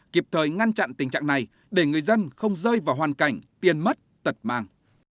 kịp thời ngăn chặn tình trạng này để người dân không rơi vào hoàn cảnh tiền mất tật mang